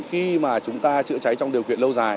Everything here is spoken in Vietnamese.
khi mà chúng ta chữa cháy trong điều kiện lâu dài